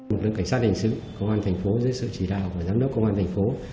một lượng cảnh sát hành xử công an thành phố dưới sự chỉ đạo và giám đốc công an thành phố